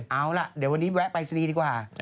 เอาล่ะเดี๋ยววันนี้แวะปรายศนีย์ดีกว่า